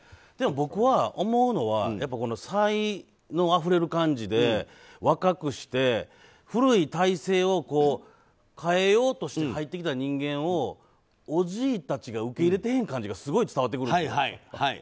でも僕が思うのは才能あふれる感じで若くして古い体制を変えようとして入ってきた人間を、おじいたちが受け入れてへん感じがすごい伝わってくるんですよ。